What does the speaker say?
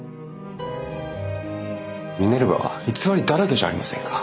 ミネルヴァは偽りだらけじゃありませんか。